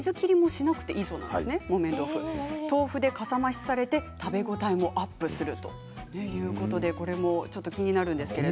豆腐でかさ増しされて食べ応えもアップするということでこれもちょっと気になるんですけれど。